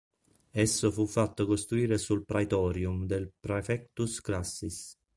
Esso fu fatto costruire sul "praetorium" del "praefectus classis".